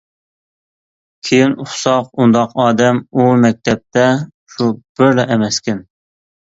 كېيىن ئۇقساق، ئۇنداق ئادەم ئۇ مەكتەپتە شۇ بىرلا ئەمەسكەن.